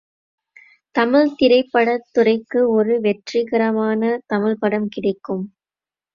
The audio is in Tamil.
தமிழ் திரைப்படத் துறைக்கு ஒரு வெற்றிகரமான தமிழ்ப்படம் கிடைக்கும்.